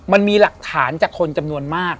มันมีหลักฐานจากคนจำนวนมาก